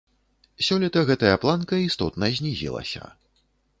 Сёлета гэтая планка істотна знізілася.